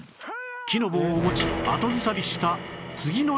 木の棒を持ち後ずさりした次の瞬間